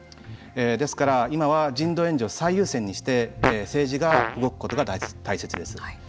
ですから今は人道援助を最優先にして政治が動くことが大切です。